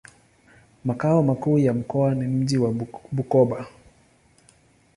Makao makuu ya mkoa ni mji wa Bukoba.